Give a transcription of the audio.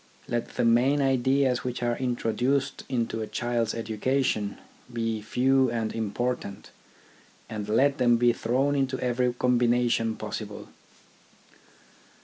Let the main ideas which are intro duced into a child's education be few and im portant, and let them be thrown into every combination possible.